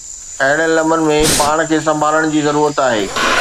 اهڙين لمحن ۾ پاڻ کي سنڀالڻ جي ضرورت آهي.